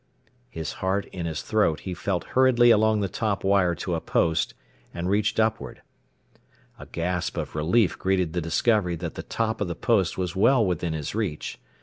His heart in his throat, he felt hurriedly along the top wire to a post, and reached upward. A gasp of relief greeted the discovery that the top of the post was well within his reach.